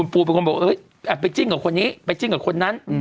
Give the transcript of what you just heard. ปูเป็นคนบอกแอบไปจิ้นกับคนนี้ไปจิ้นกับคนนั้น